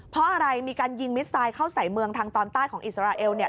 เพราะอะไรมีการยิงมิสไตล์เข้าใส่เมืองทางตอนใต้ของอิสราเอลเนี่ย